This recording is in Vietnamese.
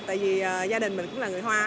tại vì gia đình mình cũng là người hoa